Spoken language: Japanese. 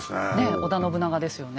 織田信長ですよね。